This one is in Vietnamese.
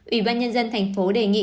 ủy ban nhân dân tp hcm đề nghị